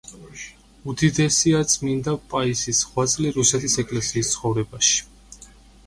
უდიდესია წმინდა პაისის ღვაწლი რუსეთის ეკლესიის ცხოვრებაში.